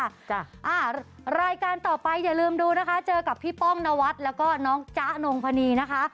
จ้ะอ่ารายการต่อไปอย่าลืมดูนะคะเจอกับพี่ป้องนวัดแล้วก็น้องจ๊ะนงพนีนะคะ